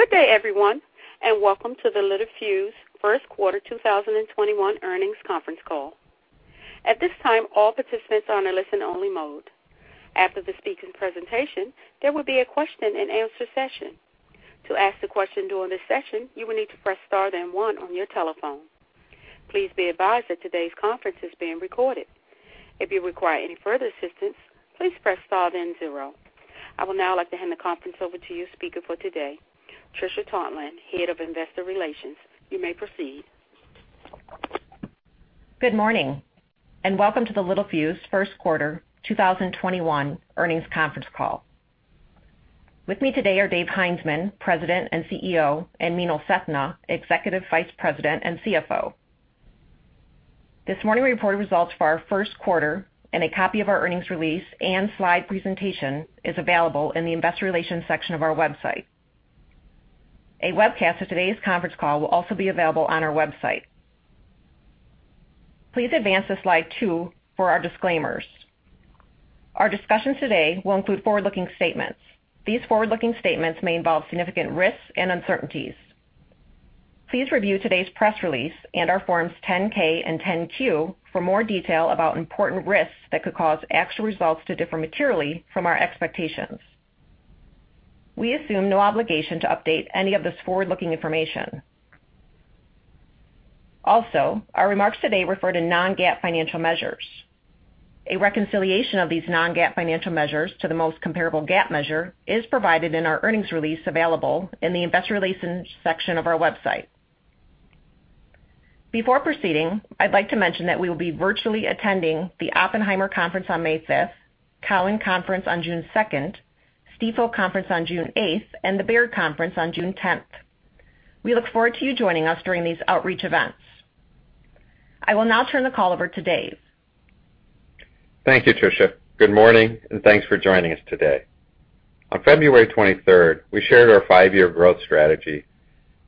Good day, everyone, welcome to the Littelfuse first quarter 2021 earnings conference call. At this time, all participants are in a listen-only mode. After the speaking presentation, there will be a question and answer session. To ask a question during this session, you will need to press star then one on your telephone. Please be advised that today's conference is being recorded. If you require any further assistance, please press star then zero. I would now like to hand the conference over to your speaker for today, Trisha Tuntland, Head of Investor Relations. You may proceed. Good morning, welcome to the Littelfuse first quarter 2021 earnings conference call. With me today are Dave Heinzmann, President and CEO, and Meenal Sethna, Executive Vice President and CFO. This morning we reported results for our first quarter, a copy of our earnings release and slide presentation is available in the investor relations section of our website. A webcast of today's conference call will also be available on our website. Please advance to slide two for our disclaimers. Our discussions today will include forward-looking statements. These forward-looking statements may involve significant risks and uncertainties. Please review today's press release and our forms 10-K and 10-Q for more detail about important risks that could cause actual results to differ materially from our expectations. We assume no obligation to update any of this forward-looking information. Our remarks today refer to non-GAAP financial measures. A reconciliation of these non-GAAP financial measures to the most comparable GAAP measure is provided in our earnings release available in the investor relations section of our website. Before proceeding, I'd like to mention that we will be virtually attending the Oppenheimer Conference on May 5th, Cowen Conference on June 2nd, Stifel Conference on June 8th, and the Baird Conference on June 10th. We look forward to you joining us during these outreach events. I will now turn the call over to Dave. Thank you, Trisha. Good morning, and thanks for joining us today. On February 23rd, we shared our five-year growth strategy,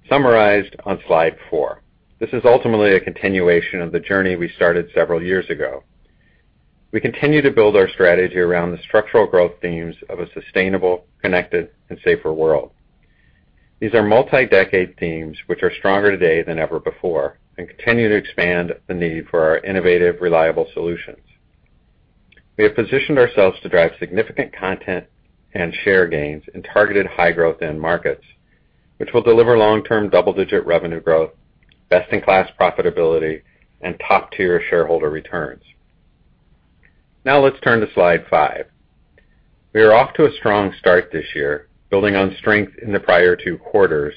summarized on slide 4. This is ultimately a continuation of the journey we started several years ago. We continue to build our strategy around the structural growth themes of a sustainable, connected, and safer world. These are multi-decade themes which are stronger today than ever before and continue to expand the need for our innovative, reliable solutions. We have positioned ourselves to drive significant content and share gains in targeted high-growth end markets, which will deliver long-term double-digit revenue growth, best-in-class profitability, and top-tier shareholder returns. Now, let's turn to slide 5. We are off to a strong start this year, building on strength in the prior two quarters,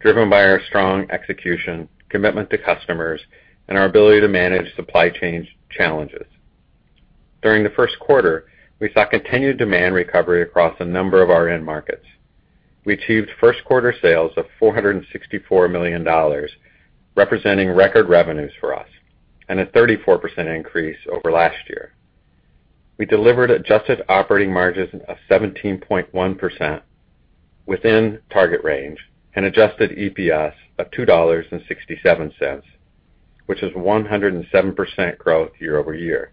driven by our strong execution, commitment to customers, and our ability to manage supply chain challenges. During the first quarter, we saw continued demand recovery across a number of our end markets. We achieved first quarter sales of $464 million, representing record revenues for us and a 34% increase over last year. We delivered adjusted operating margins of 17.1% within target range and adjusted EPS of $2.67, which is 107% growth year-over-year.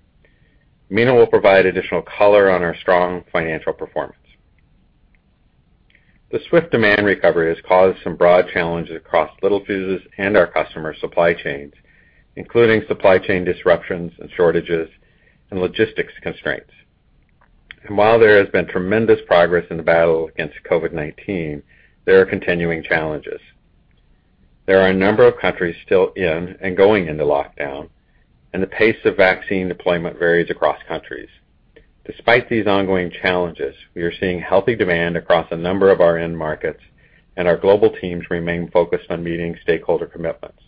Meenal will provide additional color on our strong financial performance. The swift demand recovery has caused some broad challenges across Littelfuse's and our customers' supply chains, including supply chain disruptions and shortages, and logistics constraints. While there has been tremendous progress in the battle against COVID-19, there are continuing challenges. There are a number of countries still in and going into lockdown, and the pace of vaccine deployment varies across countries. Despite these ongoing challenges, we are seeing healthy demand across a number of our end markets, and our global teams remain focused on meeting stakeholder commitments.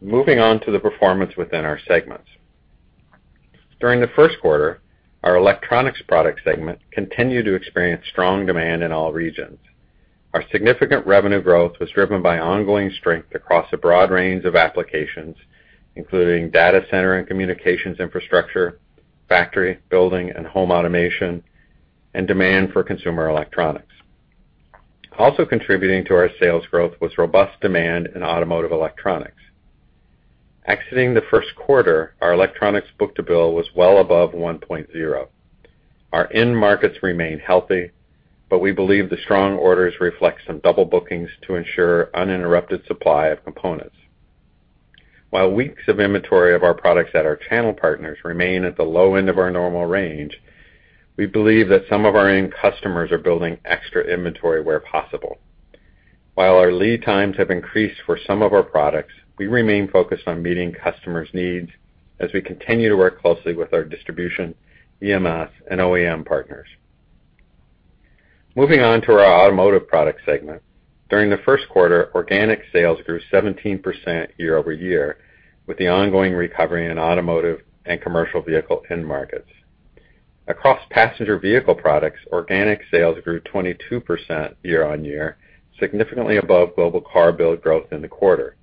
Moving on to the performance within our segments. During the first quarter, our electronics product segment continued to experience strong demand in all regions. Our significant revenue growth was driven by ongoing strength across a broad range of applications, including data center and communications infrastructure, factory, building, and home automation, and demand for consumer electronics. Also contributing to our sales growth was robust demand in automotive electronics. Exiting the first quarter, our electronics book-to-bill was well above 1.0. Our end markets remain healthy, we believe the strong orders reflect some double bookings to ensure uninterrupted supply of components. While weeks of inventory of our products at our channel partners remain at the low end of our normal range, we believe that some of our end customers are building extra inventory where possible. While our lead times have increased for some of our products, we remain focused on meeting customers' needs as we continue to work closely with our distribution, EMS, and OEM partners. Moving on to our automotive product segment. During the first quarter, organic sales grew 17% year-over-year, with the ongoing recovery in automotive and commercial vehicle end markets. Across passenger vehicle products, organic sales grew 22% year-on-year, significantly above global car build growth in the quarter.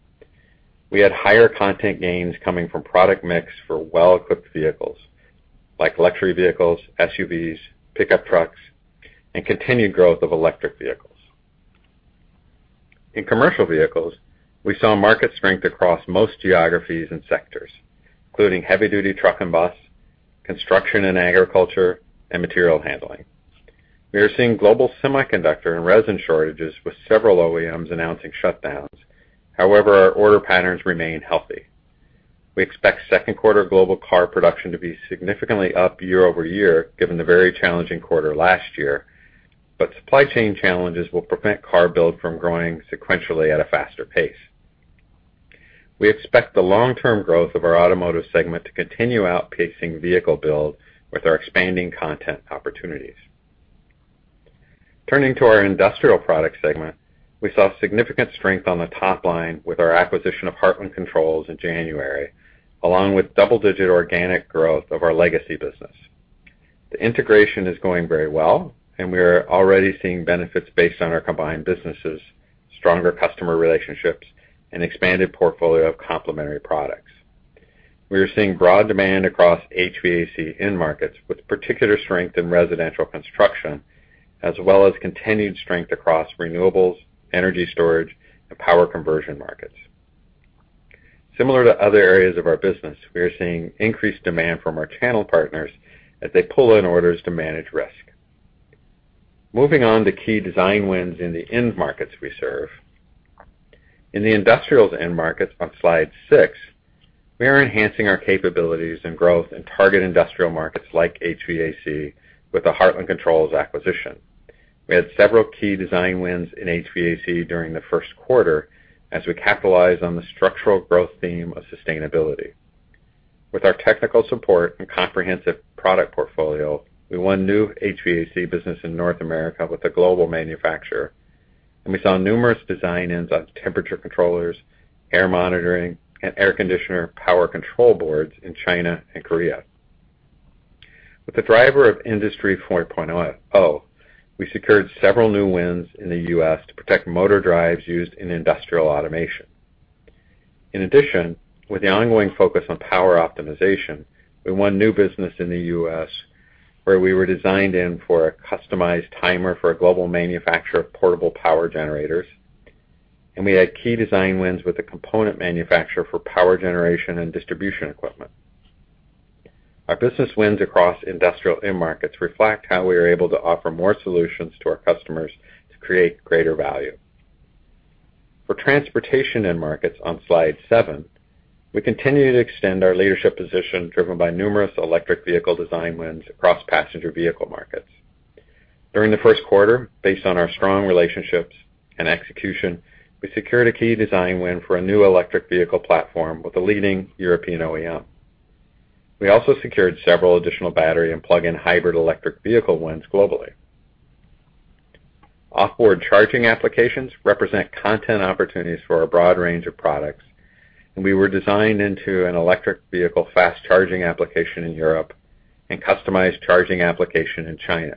We had higher content gains coming from product mix for well-equipped vehicles like luxury vehicles, SUVs, pickup trucks, and continued growth of electric vehicles. In commercial vehicles, we saw market strength across most geographies and sectors, including heavy-duty truck and bus, construction and agriculture, and material handling. We are seeing global semiconductor and resin shortages, with several OEMs announcing shutdowns. However, our order patterns remain healthy. We expect second quarter global car production to be significantly up year-over-year, given the very challenging quarter last year, but supply chain challenges will prevent car build from growing sequentially at a faster pace. We expect the long-term growth of our automotive segment to continue outpacing vehicle build with our expanding content opportunities. Turning to our industrial product segment, we saw significant strength on the top line with our acquisition of Hartland Controls in January, along with double-digit organic growth of our legacy business. The integration is going very well, and we are already seeing benefits based on our combined businesses, stronger customer relationships, and expanded portfolio of complementary products. We are seeing broad demand across HVAC end markets, with particular strength in residential construction, as well as continued strength across renewables, energy storage, and power conversion markets. Similar to other areas of our business, we are seeing increased demand from our channel partners as they pull in orders to manage risk. Moving on to key design wins in the end markets we serve. In the industrials end markets on slide 6, we are enhancing our capabilities and growth in target industrial markets like HVAC with the Hartland Controls acquisition. We had several key design wins in HVAC during the first quarter as we capitalize on the structural growth theme of sustainability. With our technical support and comprehensive product portfolio, we won new HVAC business in North America with a global manufacturer, and we saw numerous design-ins on temperature controllers, air monitoring, and air conditioner power control boards in China and Korea. With the driver of Industry 4.0, we secured several new wins in the U.S. to protect motor drives used in industrial automation. In addition, with the ongoing focus on power optimization, we won new business in the U.S. where we were designed in for a customized timer for a global manufacturer of portable power generators, and we had key design wins with a component manufacturer for power generation and distribution equipment. Our business wins across industrial end markets reflect how we are able to offer more solutions to our customers to create greater value. For transportation end markets on slide 7, we continue to extend our leadership position driven by numerous electric vehicle design wins across passenger vehicle markets. During the first quarter, based on our strong relationships and execution, we secured a key design win for a new electric vehicle platform with a leading European OEM. We also secured several additional battery and plug-in hybrid electric vehicle wins globally. Offboard charging applications represent content opportunities for a broad range of products, and we were designed into an electric vehicle fast charging application in Europe and customized charging application in China.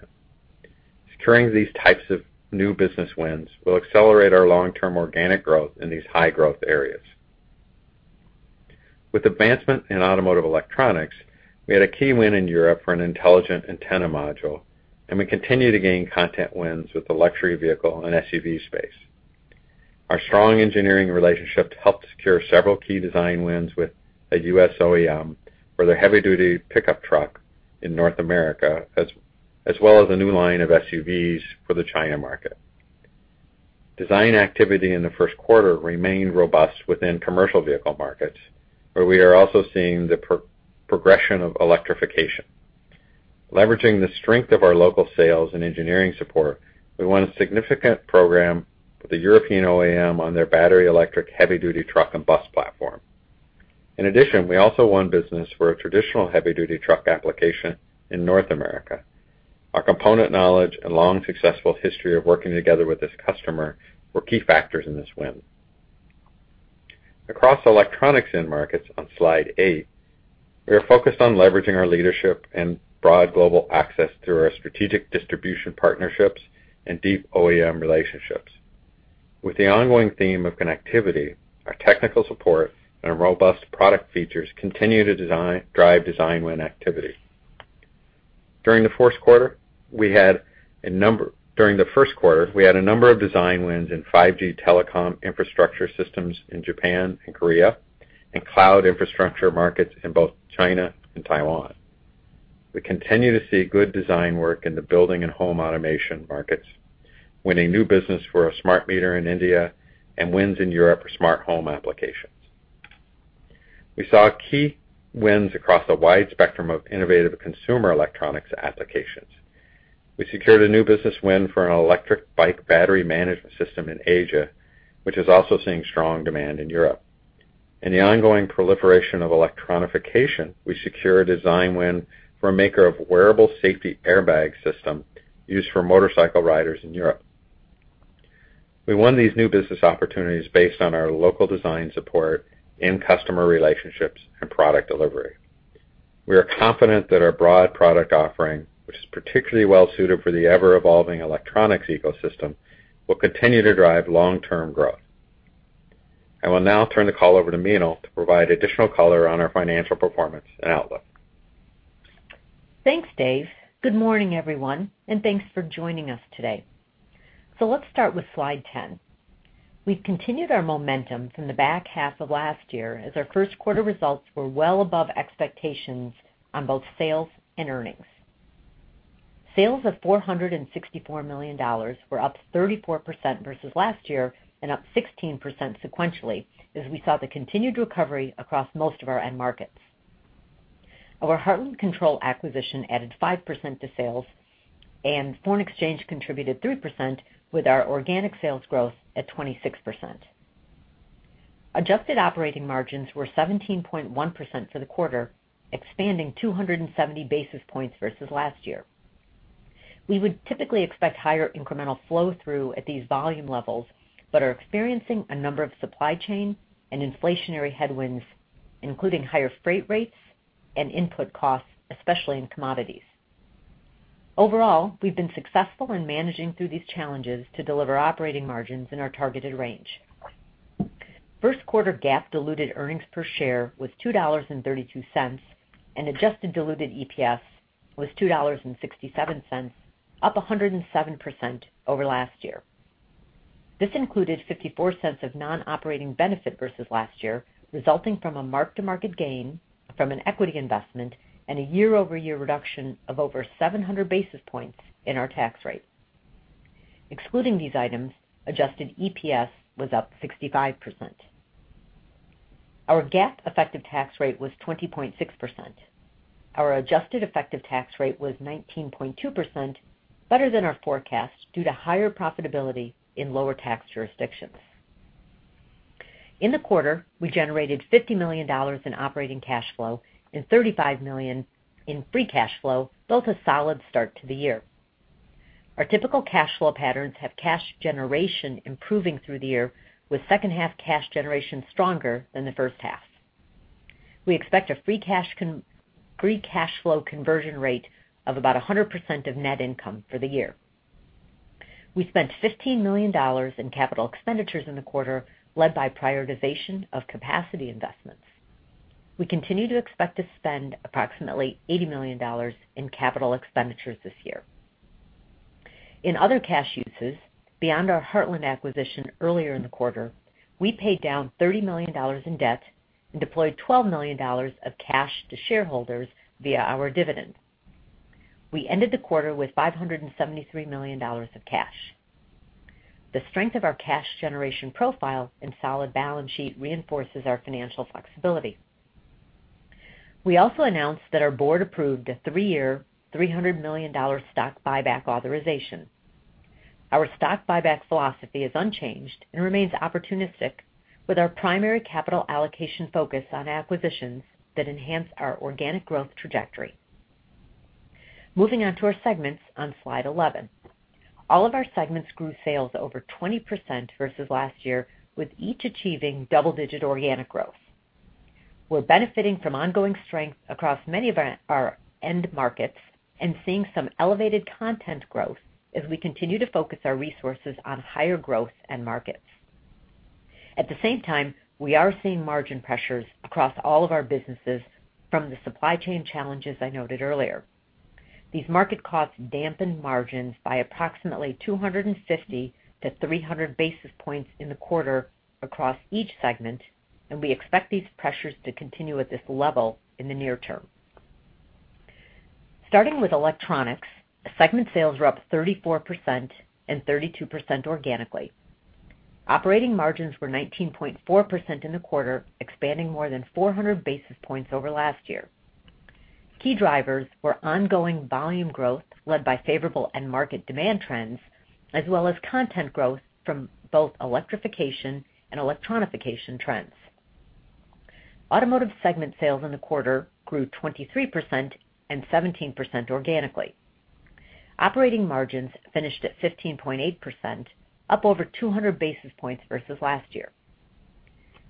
Securing these types of new business wins will accelerate our long-term organic growth in these high-growth areas. With advancement in automotive electronics, we had a key win in Europe for an intelligent antenna module. We continue to gain content wins with the luxury vehicle and SUV space. Our strong engineering relationships helped secure several key design wins with a U.S. OEM for their heavy-duty pickup truck in North America, as well as a new line of SUVs for the China market. Design activity in the first quarter remained robust within commercial vehicle markets, where we are also seeing the progression of electrification. Leveraging the strength of our local sales and engineering support, we won a significant program with a European OEM on their battery electric heavy-duty truck and bus platform. In addition, we also won business for a traditional heavy-duty truck application in North America. Our component knowledge and long successful history of working together with this customer were key factors in this win. Across electronics end markets on slide 8, we are focused on leveraging our leadership and broad global access through our strategic distribution partnerships and deep OEM relationships. With the ongoing theme of connectivity, our technical support and robust product features continue to drive design win activity. During the first quarter, we had a number of design wins in 5G telecom infrastructure systems in Japan and Korea and cloud infrastructure markets in both China and Taiwan. We continue to see good design work in the building and home automation markets, winning new business for a smart meter in India and wins in Europe for smart home applications. We saw key wins across a wide spectrum of innovative consumer electronics applications. We secured a new business win for an electric bike battery management system in Asia, which is also seeing strong demand in Europe. In the ongoing proliferation of electronification, we secure a design win for a maker of wearable safety airbag system used for motorcycle riders in Europe. We won these new business opportunities based on our local design support in customer relationships and product delivery. We are confident that our broad product offering, which is particularly well-suited for the ever-evolving electronics ecosystem, will continue to drive long-term growth. I will now turn the call over to Meenal to provide additional color on our financial performance and outlook. Thanks, Dave. Good morning, everyone, and thanks for joining us today. Let's start with slide 10. We've continued our momentum from the back half of last year as our first quarter results were well above expectations on both sales and earnings. Sales of $464 million were up 34% versus last year and up 16% sequentially as we saw the continued recovery across most of our end markets. Our Hartland Controls acquisition added 5% to sales, and foreign exchange contributed 3% with our organic sales growth at 26%. Adjusted operating margins were 17.1% for the quarter, expanding 270 basis points versus last year. We would typically expect higher incremental flow-through at these volume levels, but are experiencing a number of supply chain and inflationary headwinds, including higher freight rates and input costs, especially in commodities. Overall, we've been successful in managing through these challenges to deliver operating margins in our targeted range. First quarter GAAP diluted earnings per share was $2.32, and adjusted diluted EPS was $2.67, up 107% over last year. This included $0.54 of non-operating benefit versus last year, resulting from a mark-to-market gain from an equity investment and a year-over-year reduction of over 700 basis points in our tax rate. Excluding these items, adjusted EPS was up 65%. Our GAAP effective tax rate was 20.6%. Our adjusted effective tax rate was 19.2%, better than our forecast due to higher profitability in lower tax jurisdictions. In the quarter, we generated $50 million in operating cash flow and $35 million in free cash flow, both a solid start to the year. Our typical cash flow patterns have cash generation improving through the year, with second half cash generation stronger than the first half. We expect a free cash flow conversion rate of about 100% of net income for the year. We spent $15 million in capital expenditures in the quarter, led by prioritization of capacity investments. We continue to expect to spend approximately $80 million in capital expenditures this year. In other cash uses, beyond our Hartland acquisition earlier in the quarter, we paid down $30 million in debt and deployed $12 million of cash to shareholders via our dividend. We ended the quarter with $573 million of cash. The strength of our cash generation profile and solid balance sheet reinforces our financial flexibility. We also announced that our board approved a three-year, $300 million stock buyback authorization. Our stock buyback philosophy is unchanged and remains opportunistic with our primary capital allocation focus on acquisitions that enhance our organic growth trajectory. Moving on to our segments on slide 11. All of our segments grew sales over 20% versus last year, with each achieving double-digit organic growth. We're benefiting from ongoing strength across many of our end markets and seeing some elevated content growth as we continue to focus our resources on higher growth end markets. At the same time, we are seeing margin pressures across all of our businesses from the supply chain challenges I noted earlier. These market costs dampened margins by approximately 250 to 300 basis points in the quarter across each segment, and we expect these pressures to continue at this level in the near term. Starting with electronics, segment sales were up 34% and 32% organically. Operating margins were 19.4% in the quarter, expanding more than 400 basis points over last year. Key drivers were ongoing volume growth led by favorable end market demand trends, as well as content growth from both electrification and electronification trends. Automotive segment sales in the quarter grew 23% and 17% organically. Operating margins finished at 15.8%, up over 200 basis points versus last year.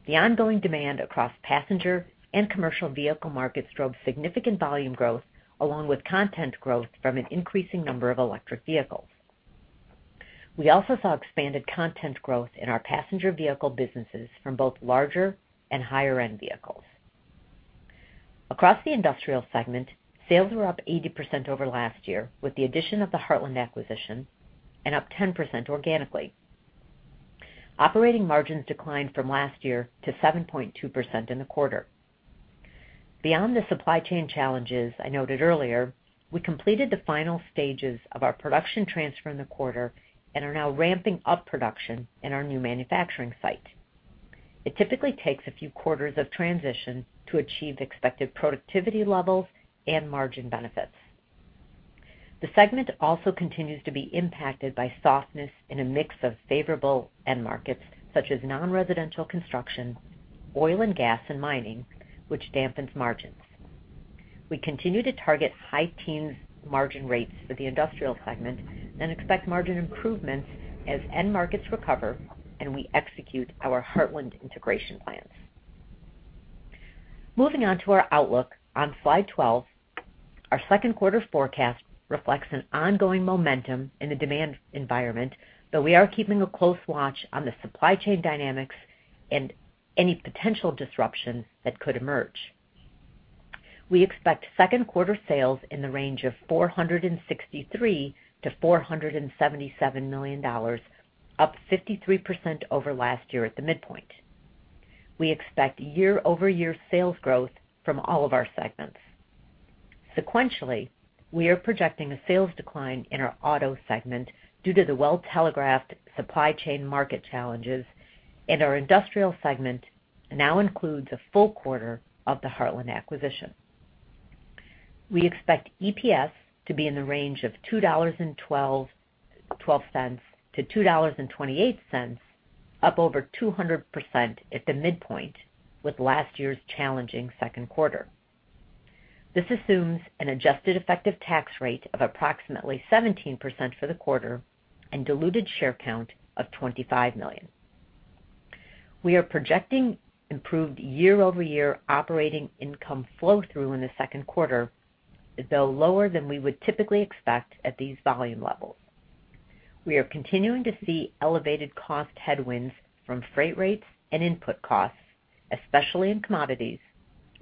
The ongoing demand across passenger and commercial vehicle markets drove significant volume growth along with content growth from an increasing number of electric vehicles. We also saw expanded content growth in our passenger vehicle businesses from both larger and higher-end vehicles. Across the industrial segment, sales were up 80% over last year, with the addition of the Hartland acquisition, and up 10% organically. Operating margins declined from last year to 7.2% in the quarter. Beyond the supply chain challenges I noted earlier, we completed the final stages of our production transfer in the quarter and are now ramping up production in our new manufacturing site. It typically takes a few quarters of transition to achieve expected productivity levels and margin benefits. The segment also continues to be impacted by softness in a mix of favorable end markets, such as non-residential construction, oil and gas, and mining, which dampens margins. We continue to target high teens margin rates for the industrial segment and expect margin improvements as end markets recover, and we execute our Hartland integration plans. Moving on to our outlook on slide 12. Our second quarter forecast reflects an ongoing momentum in the demand environment, but we are keeping a close watch on the supply chain dynamics and any potential disruption that could emerge. We expect second quarter sales in the range of $463 million-$477 million, up 53% over last year at the midpoint. We expect year-over-year sales growth from all of our segments. Sequentially, we are projecting a sales decline in our auto segment due to the well-telegraphed supply chain market challenges, and our industrial segment now includes a full quarter of the Hartland Controls acquisition. We expect EPS to be in the range of $2.12-$2.28, up over 200% at the midpoint, with last year's challenging second quarter. This assumes an adjusted effective tax rate of approximately 17% for the quarter and diluted share count of 25 million. We are projecting improved year-over-year operating income flow-through in the second quarter, though lower than we would typically expect at these volume levels. We are continuing to see elevated cost headwinds from freight rates and input costs, especially in commodities,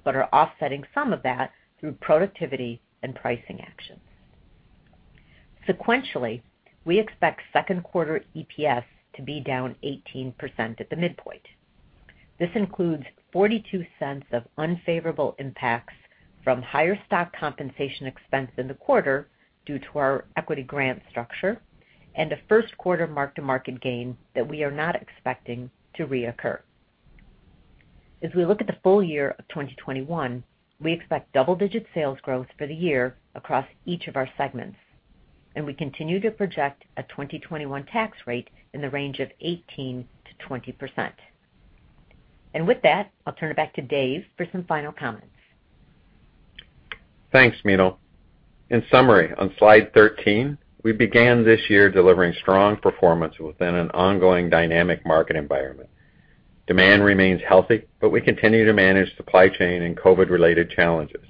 but are offsetting some of that through productivity and pricing actions. Sequentially, we expect second quarter EPS to be down 18% at the midpoint. This includes $0.42 of unfavorable impacts from higher stock compensation expense in the quarter due to our equity grant structure and a first quarter mark-to-market gain that we are not expecting to reoccur. As we look at the full year of 2021, we expect double-digit sales growth for the year across each of our segments, and we continue to project a 2021 tax rate in the range of 18%-20%. With that, I'll turn it back to Dave for some final comments. Thanks, Meenal. In summary, on slide 13, we began this year delivering strong performance within an ongoing dynamic market environment. Demand remains healthy, we continue to manage supply chain and COVID-related challenges.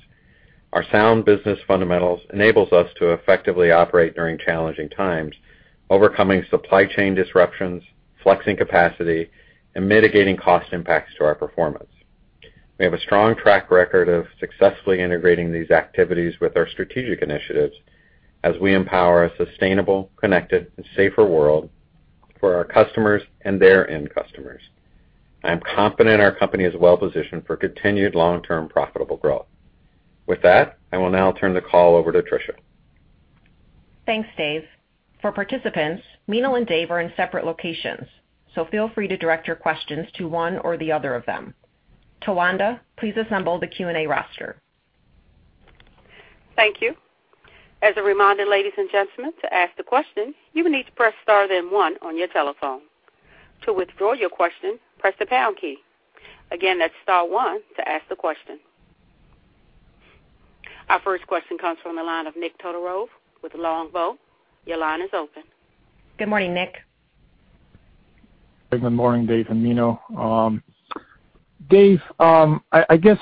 Our sound business fundamentals enables us to effectively operate during challenging times, overcoming supply chain disruptions, flexing capacity, and mitigating cost impacts to our performance. We have a strong track record of successfully integrating these activities with our strategic initiatives as we empower a sustainable, connected, and safer world for our customers and their end customers. I am confident our company is well positioned for continued long-term profitable growth. With that, I will now turn the call over to Trisha. Thanks, Dave. For participants, Meenal and Dave are in separate locations, so feel free to direct your questions to one or the other of them. Tawanda, please assemble the Q&A roster. Thank you. As a reminder, ladies and gentlemen, to ask the question, you will need to press star then one on your telephone. To withdraw your question, press the pound key. Again, that's star one to ask the question. Our first question comes from the line of Nik Todorov with Longbow. Your line is open. Good morning, Nik. Good morning, Dave and Meenal. Dave, I guess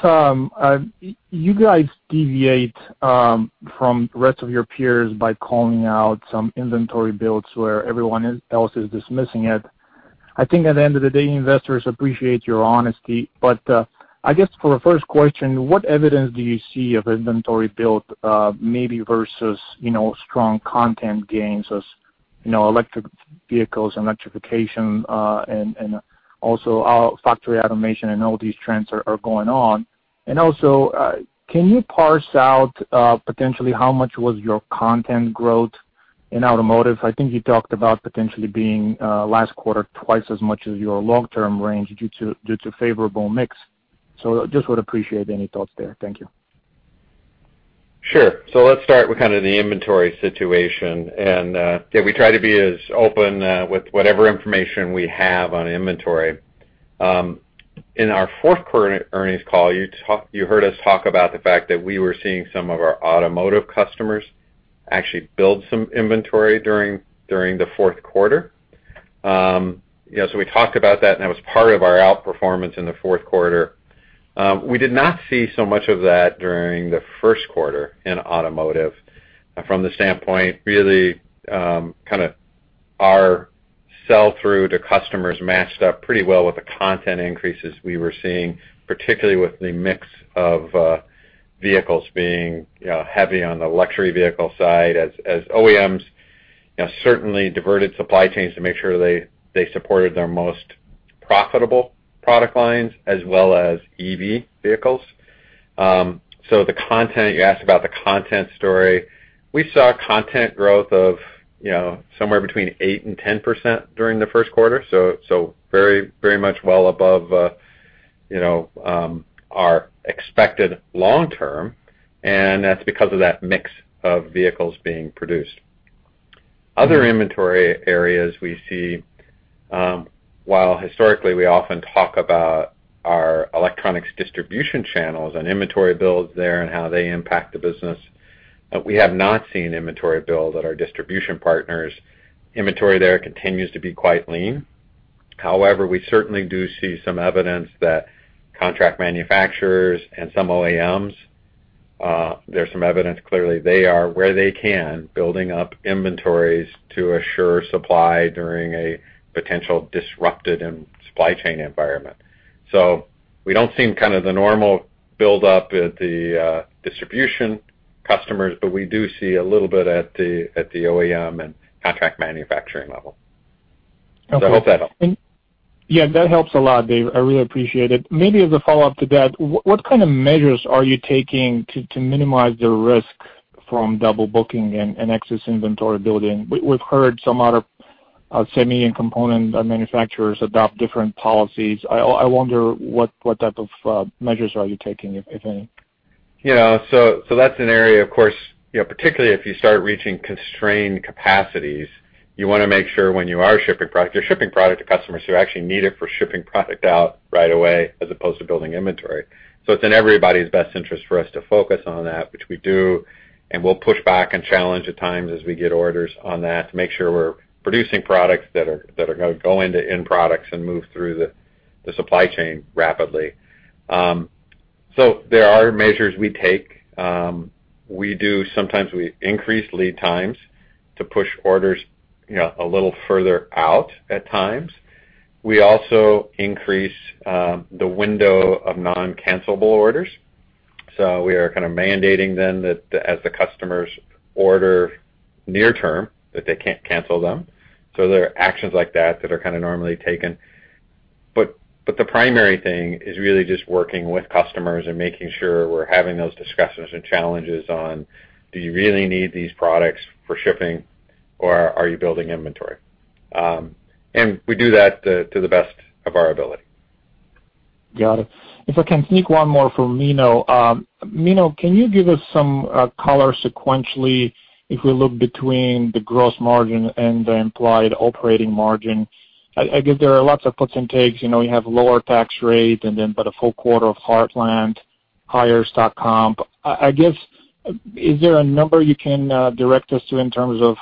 you guys deviate from rest of your peers by calling out some inventory builds where everyone else is dismissing it. I think at the end of the day, investors appreciate your honesty. I guess for the first question, what evidence do you see of inventory build, maybe versus strong content gains as electric vehicles, electrification, and also factory automation and all these trends are going on? Also, can you parse out potentially how much was your content growth in automotive? I think you talked about potentially being last quarter twice as much as your long-term range due to favorable mix. Just would appreciate any thoughts there. Thank you. Sure. Let's start with kind of the inventory situation. Yeah, we try to be as open with whatever information we have on inventory. In our fourth quarter earnings call, you heard us talk about the fact that we were seeing some of our automotive customers actually build some inventory during the fourth quarter. We talked about that, and that was part of our outperformance in the fourth quarter. We did not see so much of that during the first quarter in automotive from the standpoint really kind of our sell-through to customers matched up pretty well with the content increases we were seeing, particularly with the mix of vehicles being heavy on the luxury vehicle side as OEMs certainly diverted supply chains to make sure they supported their most profitable product lines as well as EV vehicles. You asked about the content story. We saw content growth of somewhere between 8% and 10% during the first quarter. Very much well above our expected long term, and that's because of that mix of vehicles being produced. Other inventory areas we see, while historically we often talk about our electronics distribution channels and inventory builds there and how they impact the business, we have not seen inventory build at our distribution partners. Inventory there continues to be quite lean. However, we certainly do see some evidence that contract manufacturers and some OEMs, there's some evidence clearly they are, where they can, building up inventories to assure supply during a potential disrupted supply chain environment. We don't see kind of the normal buildup at the distribution customers, but we do see a little bit at the OEM and contract manufacturing level. Okay. I hope that helps. Yeah, that helps a lot, Dave. I really appreciate it. Maybe as a follow-up to that, what kind of measures are you taking to minimize the risk from double booking and excess inventory building? We've heard some other semi and component manufacturers adopt different policies. I wonder what type of measures are you taking, if any? That's an area, of course, particularly if you start reaching constrained capacities, you want to make sure when you are shipping product, you're shipping product to customers who actually need it for shipping product out right away as opposed to building inventory. It's in everybody's best interest for us to focus on that, which we do, and we'll push back and challenge at times as we get orders on that to make sure we're producing products that are going to go into end products and move through the supply chain rapidly. There are measures we take. We do sometimes increase lead times to push orders a little further out at times. We also increase the window of non-cancelable orders. We are kind of mandating then that as the customers order near term, that they can't cancel them. There are actions like that that are kind of normally taken. The primary thing is really just working with customers and making sure we're having those discussions and challenges on, do you really need these products for shipping or are you building inventory? We do that to the best of our ability. Got it. If I can sneak one more for Meenal. Meenal, can you give us some color sequentially if we look between the gross margin and the implied operating margin? I guess there are lots of puts and takes. We have lower tax rates and then, but a full quarter of Hartland Controls, higher stock comp. I guess, is there a number you can direct us to in terms of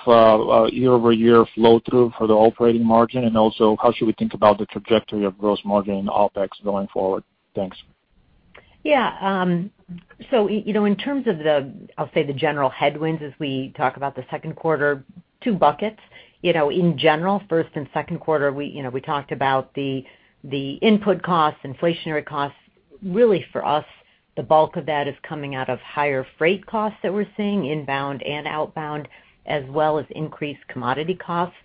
year-over-year flow through for the operating margin? Also how should we think about the trajectory of gross margin and OpEx going forward? Thanks. In terms of the, I'll say the general headwinds as we talk about the second quarter, two buckets. In general, first and second quarter, we talked about the input costs, inflationary costs. Really for us, the bulk of that is coming out of higher freight costs that we're seeing inbound and outbound, as well as increased commodity costs.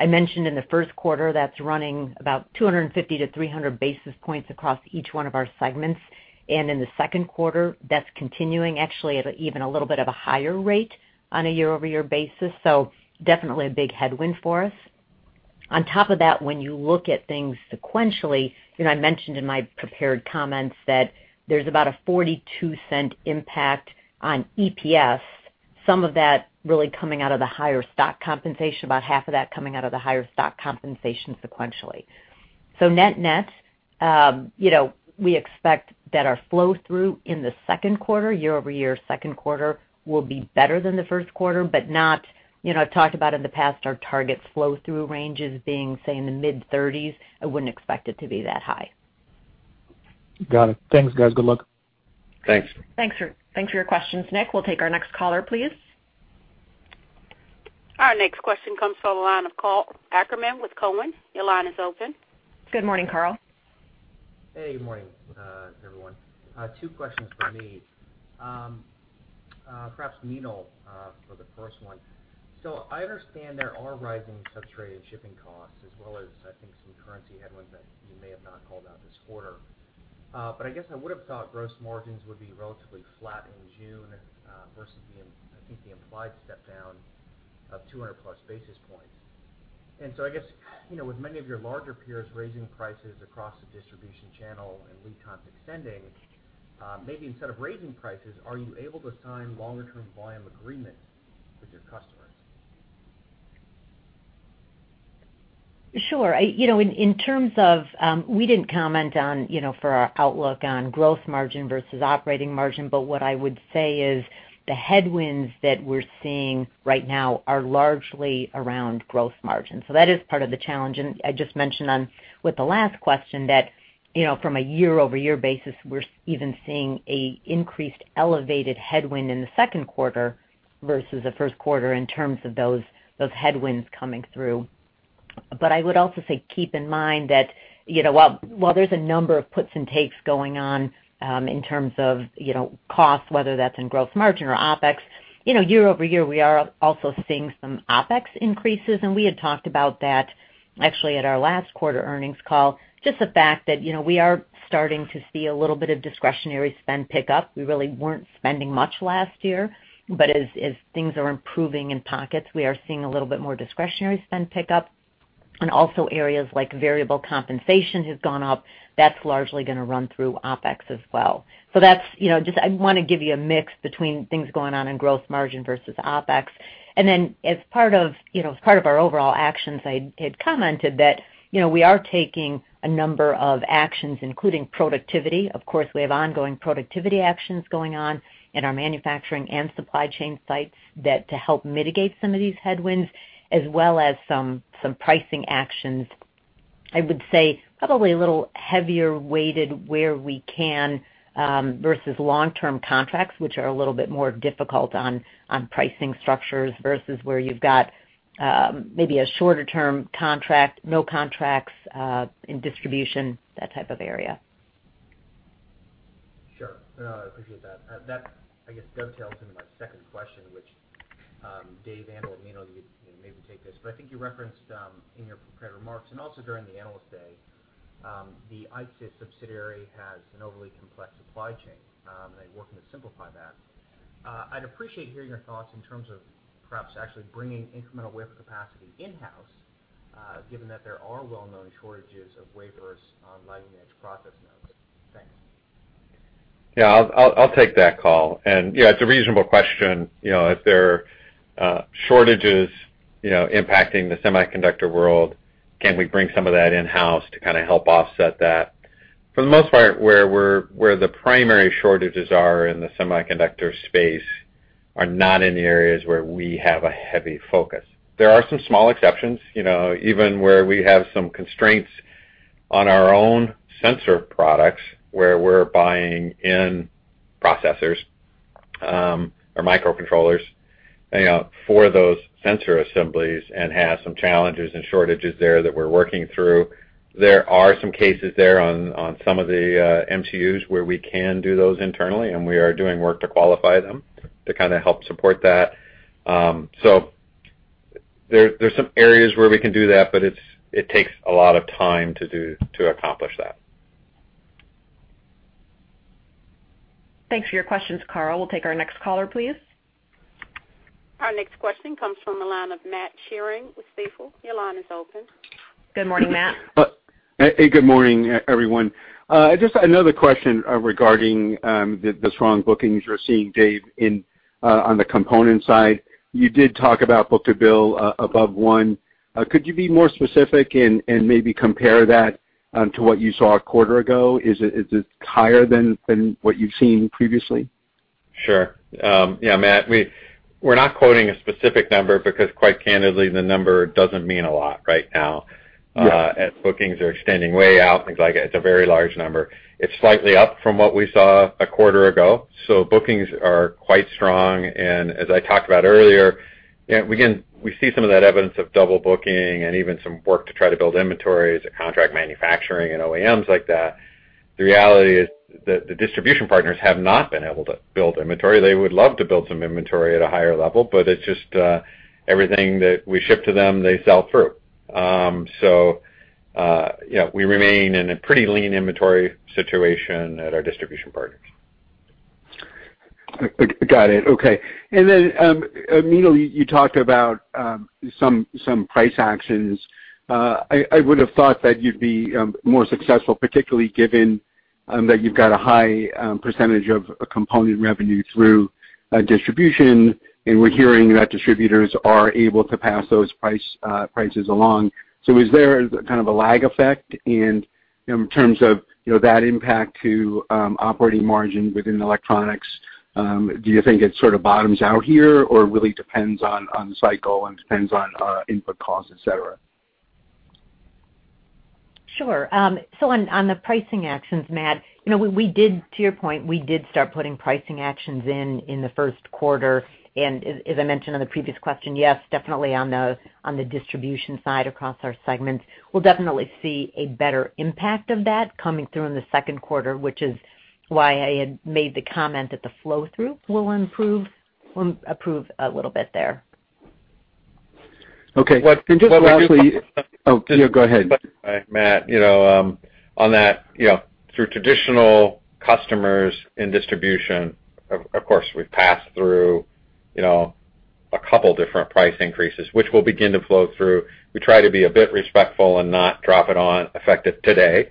I mentioned in the first quarter, that's running about 250 to 300 basis points across each one of our segments. In the second quarter, that's continuing actually at even a little bit of a higher rate on a year-over-year basis. Definitely a big headwind for us. On top of that, when you look at things sequentially, I mentioned in my prepared comments that there's about a $0.42 impact on EPS, some of that really coming out of the higher stock compensation, about half of that coming out of the higher stock compensation sequentially. Net-net, we expect that our flow through in the second quarter, year-over-year second quarter, will be better than the first quarter, but not, I've talked about in the past our targets flow through ranges being, say, in the mid-30%. I wouldn't expect it to be that high. Got it. Thanks, guys. Good luck. Thanks. Thanks for your questions, Nik. We'll take our next caller, please. Our next question comes from the line of Karl Ackerman with Cowen. Your line is open. Good morning, Karl. Hey, good morning, everyone. Two questions for me. Perhaps Meenal for the first one. I understand there are rising substrate and shipping costs as well as I think some currency headwinds that you may have not called out this quarter. I guess I would've thought gross margins would be relatively flat in June, versus I think the implied step down of 200+ basis points. I guess, with many of your larger peers raising prices across the distribution channel and lead times extending, maybe instead of raising prices, are you able to sign longer term volume agreements with your customers? Sure. We didn't comment for our outlook on gross margin versus operating margin. What I would say is the headwinds that we're seeing right now are largely around gross margin. That is part of the challenge. I just mentioned with the last question that from a year-over-year basis, we're even seeing an increased elevated headwind in the second quarter versus the first quarter in terms of those headwinds coming through. I would also say, keep in mind that while there's a number of puts and takes going on in terms of cost, whether that's in gross margin or OpEx, year-over-year, we are also seeing some OpEx increases. We had talked about that actually at our last quarter earnings call. Just the fact that we are starting to see a little bit of discretionary spend pick up. We really weren't spending much last year, but as things are improving in pockets, we are seeing a little bit more discretionary spend pick up. Also areas like variable compensation has gone up. That's largely going to run through OpEx as well. I want to give you a mix between things going on in gross margin versus OpEx. Then as part of our overall actions, I had commented that we are taking a number of actions, including productivity. Of course, we have ongoing productivity actions going on in our manufacturing and supply chain sites to help mitigate some of these headwinds as well as some pricing actions, I would say probably a little heavier weighted where we can, versus long-term contracts, which are a little bit more difficult on pricing structures versus where you've got maybe a shorter term contract, no contracts in distribution, that type of area. Sure. No, I appreciate that. That, I guess, dovetails into my second question, which, Dave or Meenal, you'd maybe take this. I think you referenced in your prepared remarks, and also during the Analyst Day, the IXYS subsidiary has an overly complex supply chain, and they're working to simplify that. I'd appreciate hearing your thoughts in terms of perhaps actually bringing incremental wafer capacity in-house, given that there are well-known shortages of wafers on leading-edge process nodes. Thanks. Yeah, I'll take that call. Yeah, it's a reasonable question. If there are shortages impacting the semiconductor world, can we bring some of that in-house to kind of help offset that? For the most part, where the primary shortages are in the semiconductor space are not in the areas where we have a heavy focus. There are some small exceptions, even where we have some constraints on our own sensor products, where we're buying in processors or microcontrollers for those sensor assemblies, and have some challenges and shortages there that we're working through. There are some cases there on some of the MCUs where we can do those internally, and we are doing work to qualify them to kind of help support that. There's some areas where we can do that, but it takes a lot of time to accomplish that. Thanks for your questions, Karl. We'll take our next caller, please. Our next question comes from the line of Matthew Sheerin with Stifel. Your line is open. Good morning, Matt. Hey, good morning, everyone. Just another question regarding the strong bookings you're seeing, Dave, on the component side. You did talk about book-to-bill above one. Could you be more specific and maybe compare that to what you saw a quarter ago? Is it higher than what you've seen previously? Sure. Yeah, Matt, we're not quoting a specific number because quite candidly, the number doesn't mean a lot right now. Yeah. As bookings are extending way out, things like that, it's a very large number. It's slightly up from what we saw a quarter ago. Bookings are quite strong, and as I talked about earlier, we see some of that evidence of double booking and even some work to try to build inventories at contract manufacturing and OEMs like that. The reality is that the distribution partners have not been able to build inventory. They would love to build some inventory at a higher level, but it's just everything that we ship to them, they sell through. Yeah, we remain in a pretty lean inventory situation at our distribution partners. Got it. Okay. Meenal, you talked about some price actions. I would have thought that you'd be more successful, particularly given that you've got a high percentage of component revenue through distribution, and we're hearing that distributors are able to pass those prices along. Is there kind of a lag effect? In terms of that impact to operating margin within electronics, do you think it sort of bottoms out here, or really depends on the cycle and depends on input costs, et cetera? Sure. On the pricing actions, Matt, to your point, we did start putting pricing actions in in the first quarter. As I mentioned on the previous question, yes, definitely on the distribution side across our segments. We'll definitely see a better impact of that coming through in the second quarter, which is why I had made the comment that the flow-through will improve a little bit there. Okay. just lastly. What we do- Oh, yeah, go ahead. Matt, on that, through traditional customers and distribution, of course, we've passed through a couple different price increases, which will begin to flow through. We try to be a bit respectful and not drop it on effective today.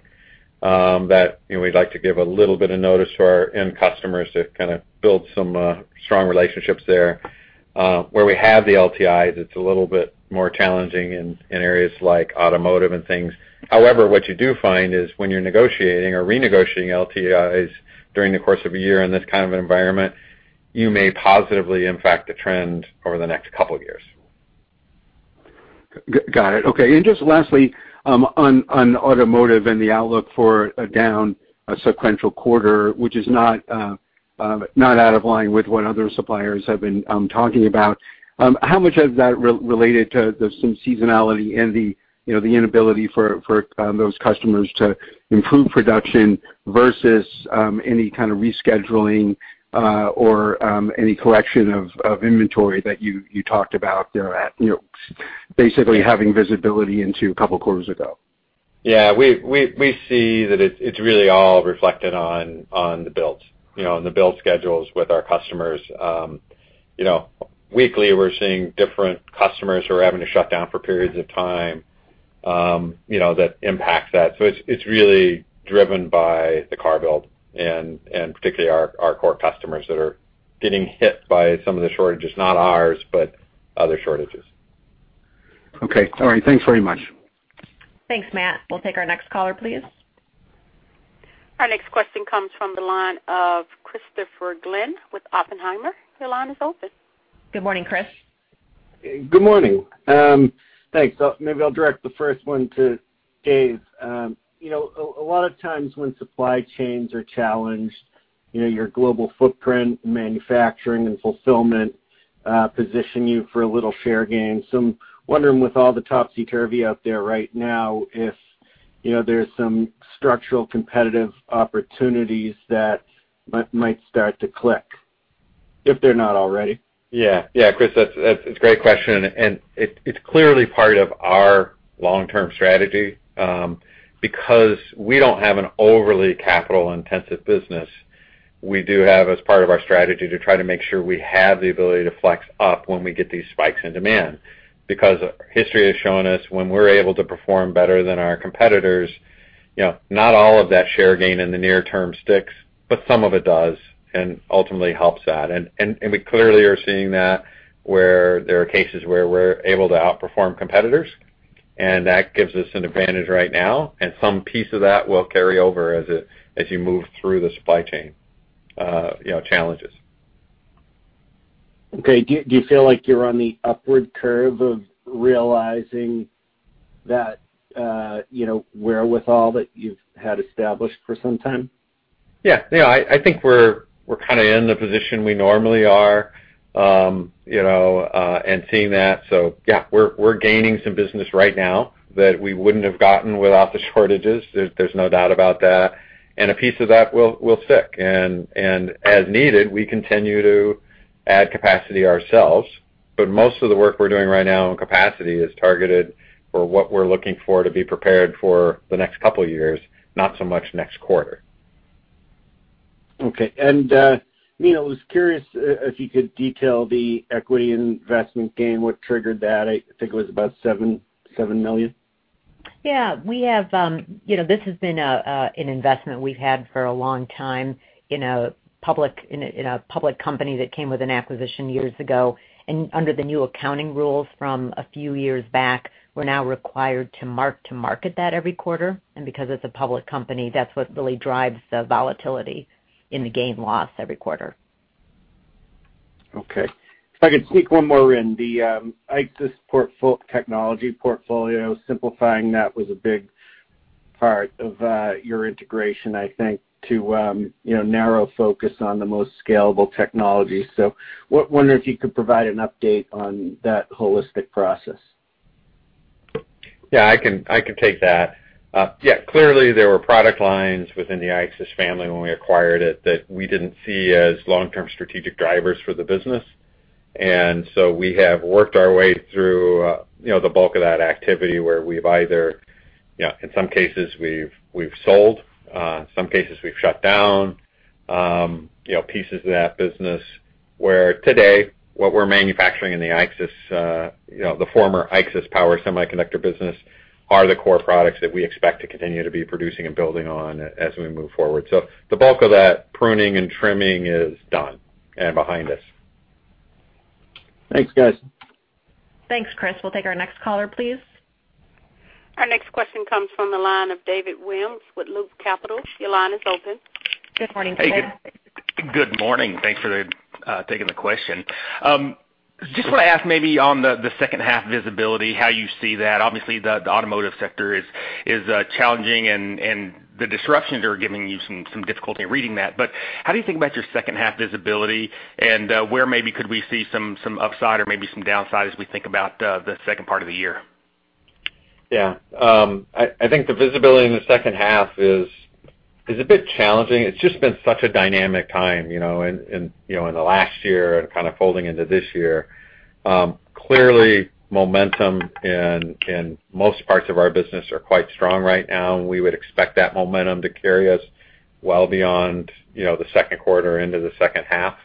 We'd like to give a little bit of notice for our end customers to kind of build some strong relationships there. Where we have the LTIs, it's a little bit more challenging in areas like automotive and things. What you do find is when you're negotiating or renegotiating LTIs during the course of a year in this kind of an environment, you may positively impact the trend over the next couple of years. Got it. Okay. Just lastly, on automotive and the outlook for a down sequential quarter, which is not out of line with what other suppliers have been talking about. How much of that related to some seasonality and the inability for those customers to improve production versus any kind of rescheduling or any collection of inventory that you talked about there, basically having visibility into a couple quarters ago? Yeah. We see that it's really all reflected on the builds, on the build schedules with our customers. Weekly, we're seeing different customers who are having to shut down for periods of time. That impacts that. It's really driven by the car build and particularly our core customers that are getting hit by some of the shortages, not ours, but other shortages. Okay. All right. Thanks very much. Thanks, Matt. We'll take our next caller, please. Our next question comes from the line of Christopher Glynn with Oppenheimer. Your line is open. Good morning, Chris. Good morning. Thanks. Maybe I'll direct the first one to Dave. A lot of times when supply chains are challenged. Your global footprint, manufacturing, and fulfillment position you for a little share gain. I'm wondering with all the topsy-turvy out there right now, if there's some structural competitive opportunities that might start to click, if they're not already. Yeah, Chris, that's a great question. It's clearly part of our long-term strategy. We don't have an overly capital-intensive business, we do have as part of our strategy to try to make sure we have the ability to flex up when we get these spikes in demand. History has shown us when we're able to perform better than our competitors, not all of that share gain in the near term sticks, but some of it does and ultimately helps that. We clearly are seeing that where there are cases where we're able to outperform competitors, and that gives us an advantage right now, and some piece of that will carry over as you move through the supply chain challenges. Okay, do you feel like you're on the upward curve of realizing that wherewithal that you've had established for some time? Yeah. I think we're kind of in the position we normally are, and seeing that. Yeah, we're gaining some business right now that we wouldn't have gotten without the shortages. There's no doubt about that. A piece of that will stick. As needed, we continue to add capacity ourselves. Most of the work we're doing right now on capacity is targeted for what we're looking for to be prepared for the next couple of years, not so much next quarter. Okay. Meenal, I was curious if you could detail the equity investment gain, what triggered that? I think it was about $7 million. Yeah. This has been an investment we've had for a long time in a public company that came with an acquisition years ago. Under the new accounting rules from a few years back, we're now required to market that every quarter. Because it's a public company, that's what really drives the volatility in the gain loss every quarter. Okay. If I could sneak one more in, the IXYS technology portfolio, simplifying that was a big part of your integration, I think, to narrow focus on the most scalable technology. Wonder if you could provide an update on that holistic process? Yeah, I can take that. Yeah, clearly there were product lines within the IXYS family when we acquired it that we didn't see as long-term strategic drivers for the business. We have worked our way through the bulk of that activity where we've either, in some cases, we've sold, some cases we've shut down pieces of that business, where today, what we're manufacturing in the former IXYS Power Semiconductor business are the core products that we expect to continue to be producing and building on as we move forward. The bulk of that pruning and trimming is done and behind us. Thanks, guys. Thanks, Chris. We'll take our next caller, please. Our next question comes from the line of David Williams with Loop Capital. Your line is open. Good morning, David. Good morning. Thanks for taking the question. Just want to ask maybe on the second half visibility, how you see that. Obviously, the automotive sector is challenging, and the disruptions are giving you some difficulty in reading that. How do you think about your second half visibility, and where maybe could we see some upside or maybe some downside as we think about the second part of the year? I think the visibility in the second half is a bit challenging. It's just been such a dynamic time in the last year and kind of folding into this year. Clearly, momentum in most parts of our business are quite strong right now, and we would expect that momentum to carry us well beyond the second quarter into the second half.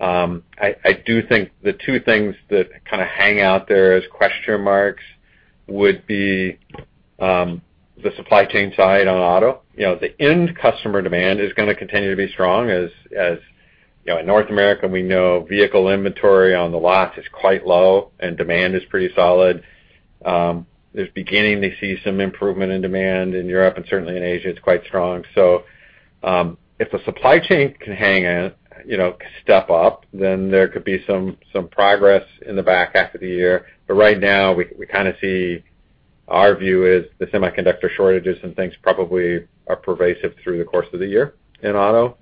I do think the two things that kind of hang out there as question marks would be the supply chain side on auto. The end customer demand is going to continue to be strong, as in North America, we know vehicle inventory on the lots is quite low and demand is pretty solid. There's beginning to see some improvement in demand in Europe, and certainly in Asia, it's quite strong. If the supply chain can hang in, step up, then there could be some progress in the back half of the year. Right now, we kind of see our view is the semiconductor shortages and things probably are pervasive through the course of the year in auto.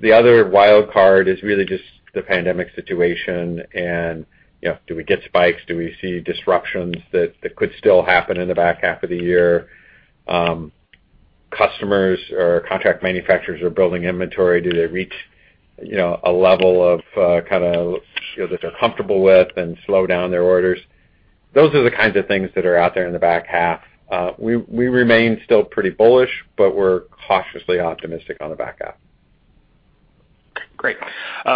The other wild card is really just the pandemic situation and do we get spikes? Do we see disruptions that could still happen in the back half of the year? Customers or contract manufacturers are building inventory. Do they reach a level that they're comfortable with and slow down their orders? Those are the kinds of things that are out there in the back half. We remain still pretty bullish, but we're cautiously optimistic on the back half. Great.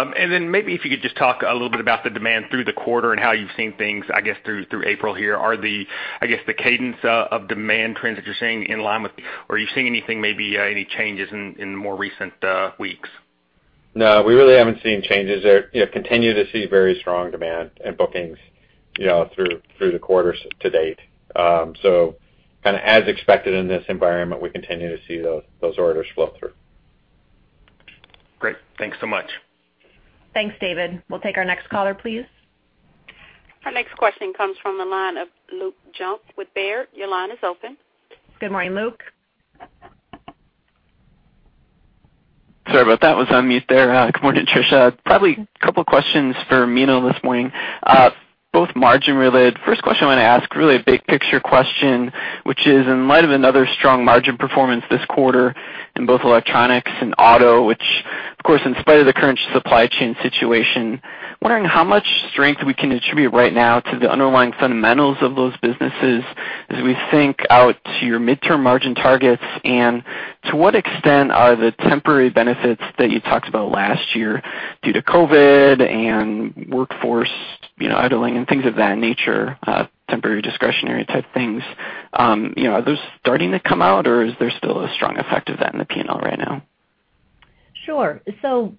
Maybe if you could just talk a little bit about the demand through the quarter and how you've seen things, I guess, through April here. Are the, I guess, the cadence of demand trends that you're seeing in line with, or are you seeing anything, maybe any changes in the more recent weeks? No, we really haven't seen changes there. Continue to see very strong demand and bookings through the quarters to date. Kind of as expected in this environment, we continue to see those orders flow through. Great. Thanks so much. Thanks, David. We'll take our next caller, please. Our next question comes from the line of Luke Junk with Baird. Your line is open. Good morning, Luke. Sorry about that, was on mute there. Good morning, Trisha. Probably a couple questions for Meenal this morning, both margin related. First question I want to ask, really a big picture question, which is in light of another strong margin performance this quarter in both electronics and auto, which of course, in spite of the current supply chain situation, wondering how much strength we can attribute right now to the underlying fundamentals of those businesses as we think out to your midterm margin targets, and to what extent are the temporary benefits that you talked about last year due to COVID and workforce idling and things of that nature, temporary discretionary type things. Are those starting to come out or is there still a strong effect of that in the P&L right now? Sure.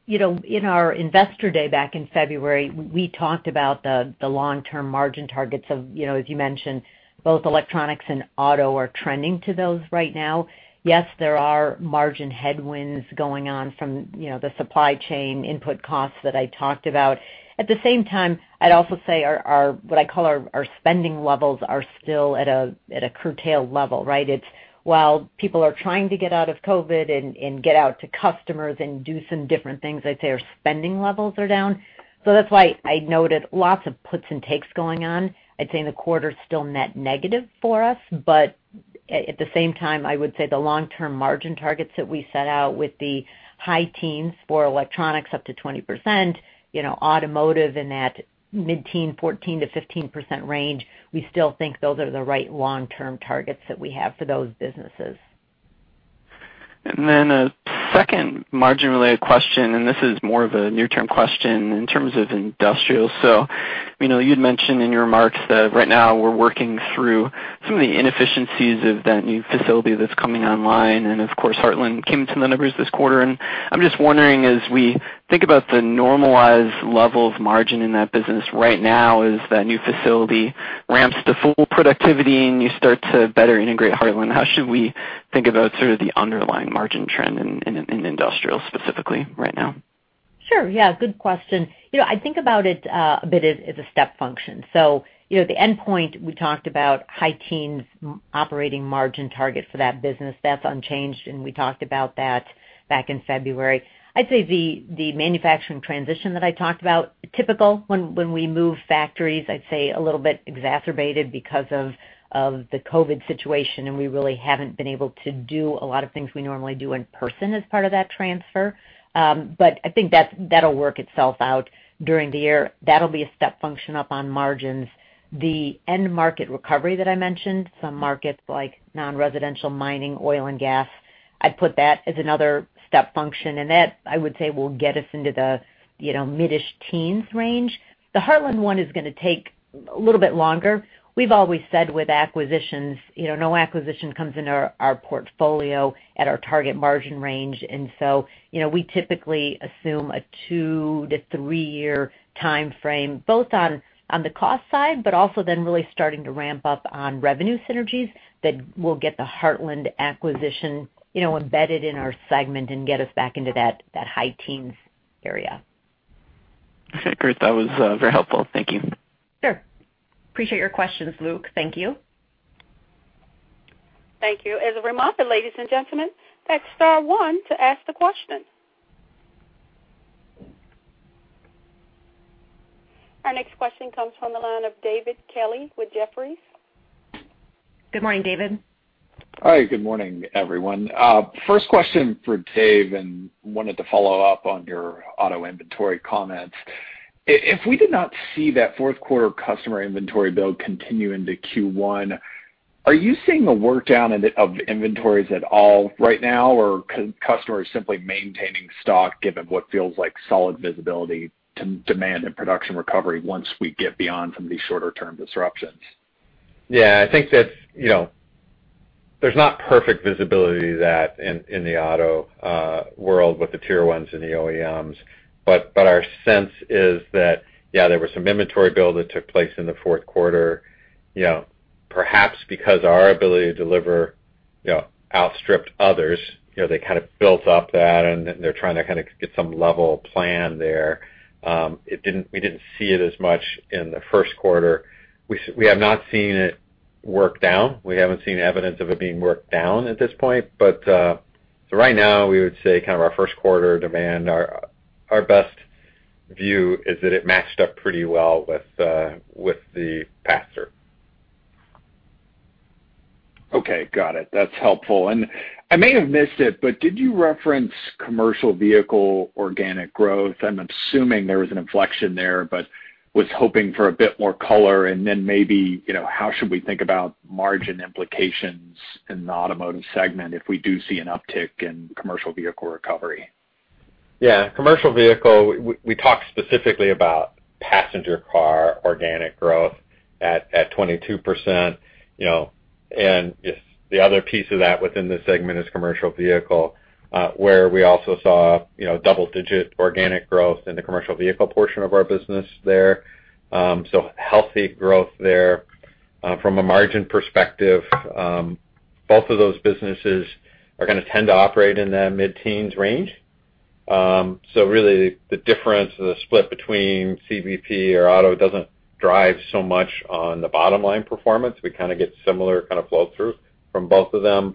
In our investor day back in February, we talked about the long-term margin targets of, as you mentioned, both electronics and auto are trending to those right now. Yes, there are margin headwinds going on from the supply chain input costs that I talked about. At the same time, I'd also say what I call our spending levels are still at a curtailed level, right? While people are trying to get out of COVID and get out to customers and do some different things, I'd say our spending levels are down. That's why I noted lots of puts and takes going on. I'd say in the quarter, still net negative for us, but at the same time, I would say the long-term margin targets that we set out with the high teens for electronics up to 20%, automotive in that mid-teen, 14%-15% range, we still think those are the right long-term targets that we have for those businesses. Then a second margin related question, this is more of a near-term question in terms of industrial. You'd mentioned in your remarks that right now we're working through some of the inefficiencies of that new facility that's coming online, and of course, Hartland came into the numbers this quarter. I'm just wondering, as we think about the normalized level of margin in that business right now, as that new facility ramps to full productivity and you start to better integrate Hartland, how should we think about sort of the underlying margin trend in industrial specifically right now? Sure. Yeah. Good question. I think about it a bit as a step function. The endpoint we talked about high teens operating margin target for that business. That's unchanged, and we talked about that back in February. I'd say the manufacturing transition that I talked about, typical when we move factories, I'd say a little bit exacerbated because of the COVID situation, and we really haven't been able to do a lot of things we normally do in person as part of that transfer. I think that'll work itself out during the year. That'll be a step function up on margins. The end market recovery that I mentioned, some markets like non-residential mining, oil and gas, I'd put that as another step function, and that, I would say, will get us into the mid-ish teens range. The Hartland one is going to take a little bit longer. We've always said with acquisitions, no acquisition comes into our portfolio at our target margin range. We typically assume a two to three year time frame, both on the cost side, but also then really starting to ramp up on revenue synergies that will get the Hartland acquisition embedded in our segment and get us back into that high teens area. Okay, great. That was very helpful. Thank you. Sure. Appreciate your questions, Luke. Thank you. Thank you. As a reminder, ladies and gentlemen, text star one to ask the question. Our next question comes from the line of David Kelley with Jefferies. Good morning, David. Hi. Good morning, everyone. First question for Dave, and wanted to follow up on your auto inventory comments. If we did not see that fourth quarter customer inventory build continue into Q1, are you seeing a work down of inventories at all right now, or customers simply maintaining stock given what feels like solid visibility to demand and production recovery once we get beyond some of these shorter term disruptions? Yeah, I think that there's not perfect visibility to that in the auto world with the Tier 1s and the OEMs. Our sense is that, yeah, there was some inventory build that took place in the fourth quarter. Perhaps because our ability to deliver outstripped others. They kind of built up that, and they're trying to kind of get some level plan there. We didn't see it as much in the first quarter. We have not seen it work down. We haven't seen evidence of it being worked down at this point. Right now, we would say kind of our first quarter demand, our best view is that it matched up pretty well with the past year. Okay. Got it. That's helpful. I may have missed it, but did you reference commercial vehicle organic growth? I'm assuming there was an inflection there, but was hoping for a bit more color, then maybe how should we think about margin implications in the automotive segment if we do see an uptick in commercial vehicle recovery? Commercial vehicle, we talked specifically about passenger car organic growth at 22%. The other piece of that within the segment is commercial vehicle, where we also saw double-digit organic growth in the commercial vehicle portion of our business there. Healthy growth there. From a margin perspective, both of those businesses are going to tend to operate in that mid-teens range. Really the difference, the split between CVP or auto doesn't drive so much on the bottom line performance. We get similar flow-through from both of them.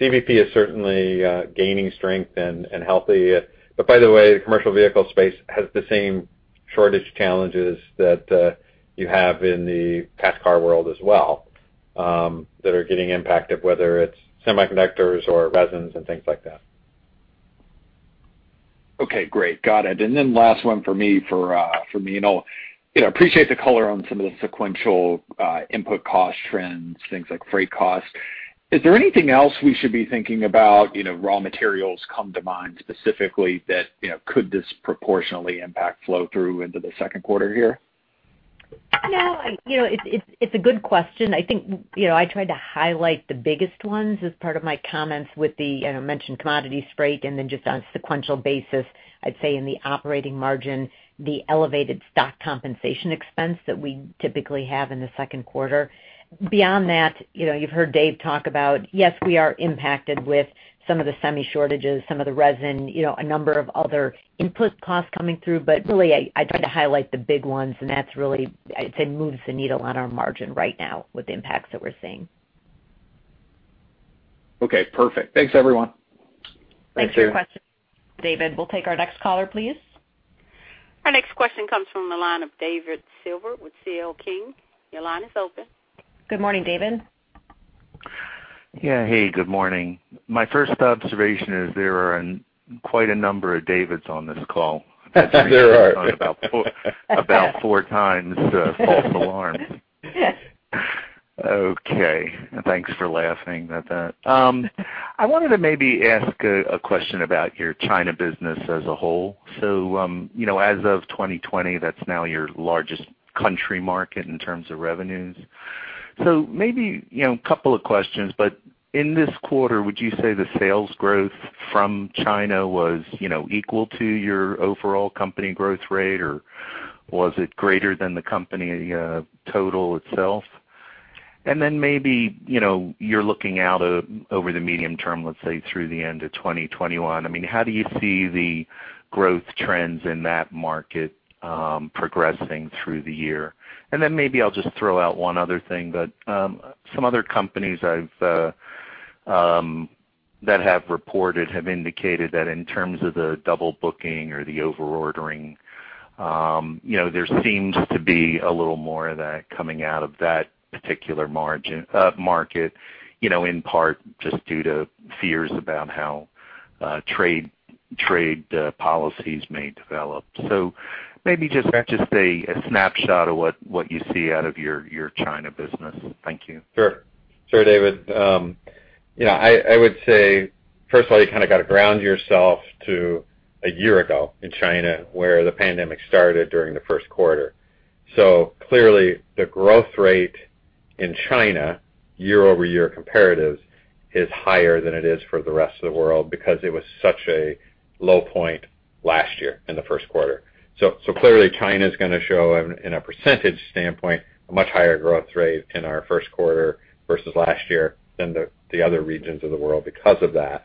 CVP is certainly gaining strength and healthy. By the way, the commercial vehicle space has the same shortage challenges that you have in the passenger car world as well, that are getting impacted, whether it's semiconductors or resins and things like that. Okay, great. Got it. Last one for me. I appreciate the color on some of the sequential input cost trends, things like freight costs. Is there anything else we should be thinking about, raw materials come to mind specifically, that could disproportionately impact flow-through into the second quarter here? No. It's a good question. I tried to highlight the biggest ones as part of my comments. I mentioned commodities, freight, and then just on a sequential basis, I'd say in the operating margin, the elevated stock compensation expense that we typically have in the second quarter. Beyond that, you've heard Dave talk about, yes, we are impacted with some of the semi shortages, some of the resin, a number of other input costs coming through. Really, I try to highlight the big ones, and that's really, I'd say, moves the needle on our margin right now with the impacts that we're seeing. Okay, perfect. Thanks, everyone. Thanks, David. Thanks for your question, David. We'll take our next caller, please. Our next question comes from the line of David Silver with CL King. Your line is open. Good morning, David. Hey, good morning. My first observation is there are quite a number of Davids on this call. There are. About four times. False alarm. Okay, thanks for laughing at that. I wanted to maybe ask a question about your China business as a whole. As of 2020, that's now your largest country market in terms of revenues. Maybe a couple of questions, but in this quarter, would you say the sales growth from China was equal to your overall company growth rate, or was it greater than the company total itself? Then maybe, you're looking out over the medium term, let's say through the end of 2021, how do you see the growth trends in that market progressing through the year? Then maybe I'll just throw out one other thing, but some other companies that have reported have indicated that in terms of the double booking or the over-ordering, there seems to be a little more of that coming out of that particular market, in part just due to fears about how trade policies may develop. Maybe just a snapshot of what you see out of your China business. Thank you. Sure. Sure, David. I would say, first of all, you kind of got to ground yourself to a year ago in China, where the pandemic started during the first quarter. Clearly, the growth rate in China, year-over-year comparatives, is higher than it is for the rest of the world because it was such a low point last year in the first quarter. Clearly, China's going to show, in a percentage standpoint, a much higher growth rate in our first quarter versus last year than the other regions of the world because of that.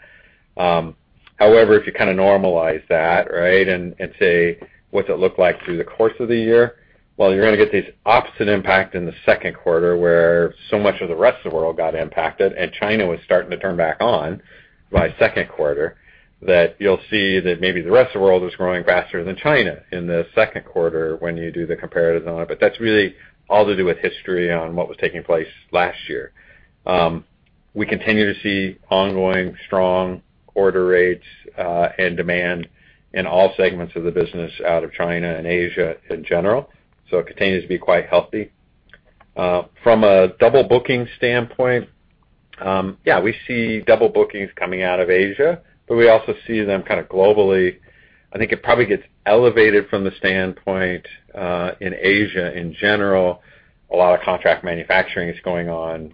If you kind of normalize that, right, and say, what's it look like through the course of the year? Well, you're going to get these opposite impact in the second quarter, where so much of the rest of the world got impacted and China was starting to turn back on by second quarter, that you'll see that maybe the rest of the world is growing faster than China in the second quarter when you do the comparatives on it. That's really all to do with history on what was taking place last year. We continue to see ongoing strong order rates and demand in all segments of the business out of China and Asia in general, it continues to be quite healthy. From a double booking standpoint, yeah, we see double bookings coming out of Asia, we also see them kind of globally. I think it probably gets elevated from the standpoint in Asia in general. A lot of contract manufacturing is going on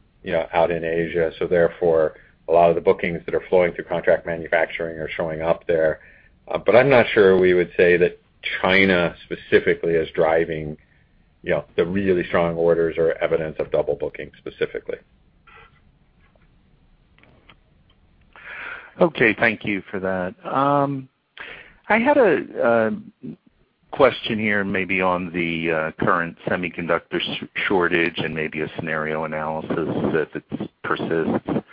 out in Asia, therefore, a lot of the bookings that are flowing through contract manufacturing are showing up there. I'm not sure we would say that China specifically is driving the really strong orders or evidence of double booking specifically. Okay, thank you for that. I had a question here maybe on the current semiconductor shortage and maybe a scenario analysis that it persists.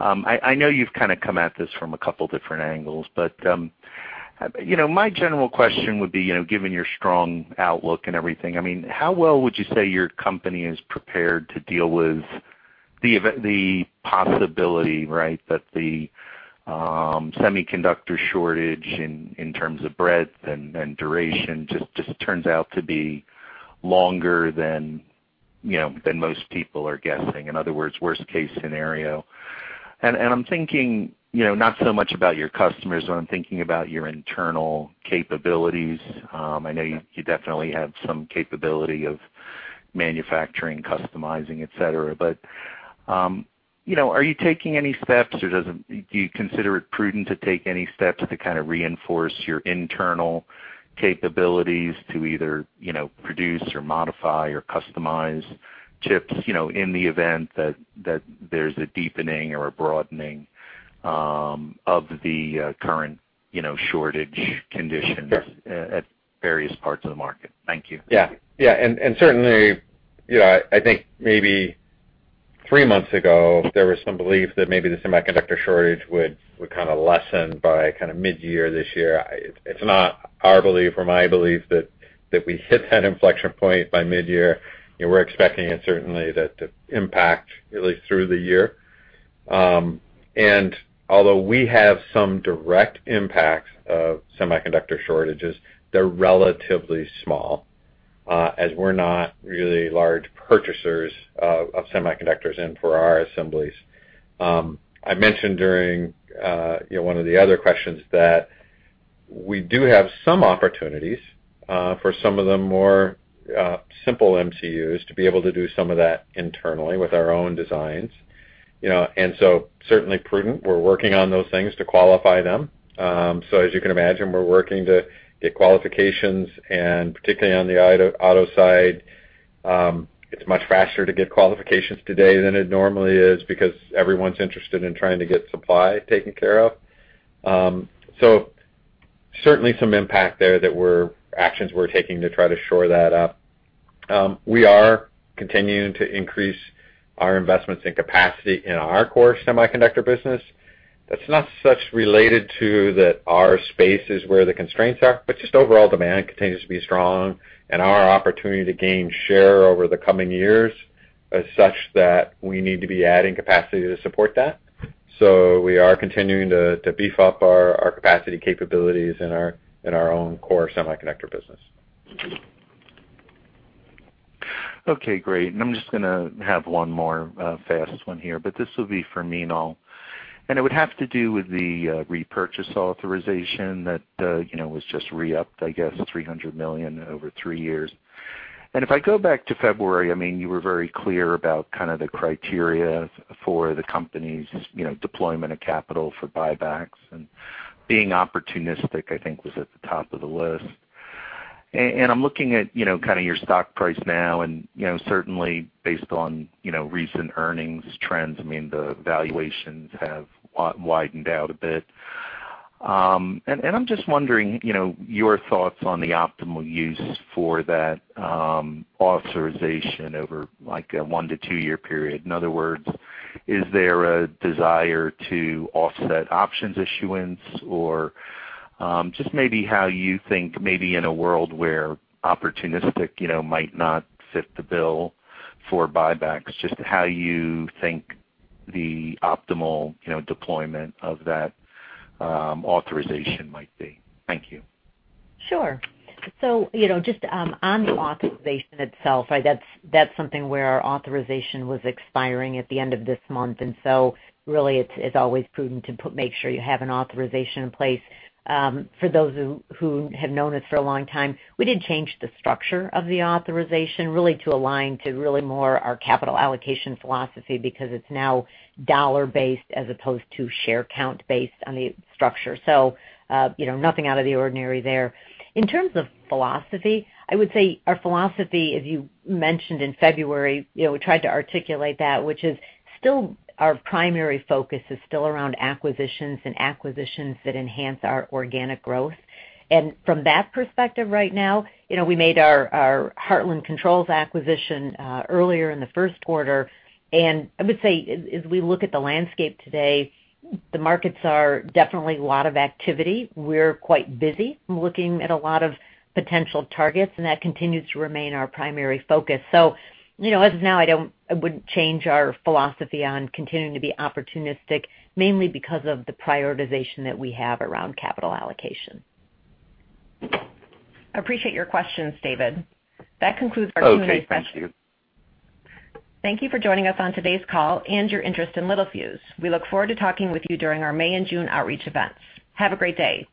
I know you've kind of come at this from a couple different angles, but my general question would be, given your strong outlook and everything, how well would you say your company is prepared to deal with the possibility, right, that the semiconductor shortage in terms of breadth and duration just turns out to be longer than most people are guessing? In other words, worst case scenario. I'm thinking not so much about your customers, but I'm thinking about your internal capabilities. I know you definitely have some capability of manufacturing, customizing, et cetera, but are you taking any steps or do you consider it prudent to take any steps to kind of reinforce your internal capabilities to either produce or modify or customize chips in the event that there's a deepening or a broadening of the current shortage conditions at various parts of the market? Thank you. Yeah. Certainly, I think maybe three months ago, there was some belief that maybe the semiconductor shortage would kind of lessen by midyear this year. It's not our belief or my belief that we hit that inflection point by midyear. We're expecting it certainly to impact really through the year. Although we have some direct impacts of semiconductor shortages, they're relatively small, as we're not really large purchasers of semiconductors and for our assemblies. I mentioned during one of the other questions that we do have some opportunities for some of the more simple MCUs to be able to do some of that internally with our own designs. Certainly prudent, we're working on those things to qualify them. As you can imagine, we're working to get qualifications and particularly on the auto side, it's much faster to get qualifications today than it normally is because everyone's interested in trying to get supply taken care of. Certainly some impact there that actions we're taking to try to shore that up. We are continuing to increase our investments in capacity in our core semiconductor business. That's not such related to that our space is where the constraints are, but just overall demand continues to be strong and our opportunity to gain share over the coming years is such that we need to be adding capacity to support that. We are continuing to beef up our capacity capabilities in our own core semiconductor business. Okay, great. I'm just going to have one more fast one here, but this will be for Meenal. It would have to do with the repurchase authorization that was just re-upped, I guess, $300 million over three years. If I go back to February, you were very clear about kind of the criteria for the company's deployment of capital for buybacks and being opportunistic, I think, was at the top of the list. I'm looking at your stock price now, and certainly based on recent earnings trends, the valuations have widened out a bit. I'm just wondering, your thoughts on the optimal use for that authorization over a one to two-year period. In other words, is there a desire to offset options issuance? Just maybe how you think maybe in a world where opportunistic might not fit the bill for buybacks, just how you think the optimal deployment of that authorization might be. Thank you. Sure. Just on the authorization itself, that's something where our authorization was expiring at the end of this month, really it's always prudent to make sure you have an authorization in place. For those who have known us for a long time, we did change the structure of the authorization really to align to really more our capital allocation philosophy because it's now dollar-based as opposed to share count based on the structure. Nothing out of the ordinary there. In terms of philosophy, I would say our philosophy, as you mentioned in February, we tried to articulate that, which is still our primary focus is still around acquisitions and acquisitions that enhance our organic growth. From that perspective right now, we made our Hartland Controls acquisition earlier in the first quarter. I would say as we look at the landscape today, the markets are definitely a lot of activity. We're quite busy looking at a lot of potential targets, and that continues to remain our primary focus. As of now, I wouldn't change our philosophy on continuing to be opportunistic, mainly because of the prioritization that we have around capital allocation. Appreciate your questions, David. That concludes our Q&A session. Okay, thank you. Thank you for joining us on today's call and your interest in Littelfuse. We look forward to talking with you during our May and June outreach events. Have a great day.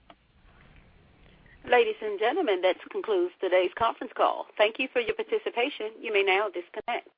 Ladies and gentlemen, that concludes today's conference call. Thank you for your participation. You may now disconnect.